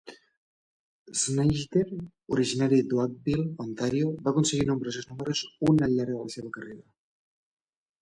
Sznajder, originari d'Oakville (Ontario), va aconseguir nombrosos números un al llarg de la seva carrera.